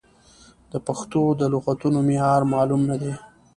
د پښتو د لغتونو معیار معلوم نه دی.